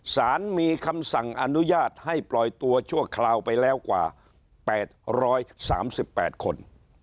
สารมีคำสั่งอนุญาตให้ปล่อยตัวชั่วคราวไปแล้วกว่า๘๓๘คน